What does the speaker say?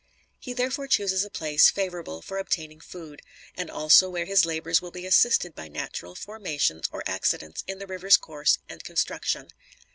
He therefore chooses a place favorable for obtaining food, and also where his labors will be assisted by natural formations or accidents in the river's course and construction.